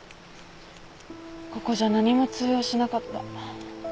ここじゃ何も通用しなかった。